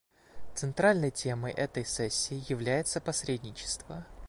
Центральной темой этой сессии является посредничество.